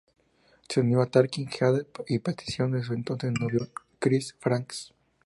Se unió a Talking Heads a petición de su entonces novio, Chris Frantz.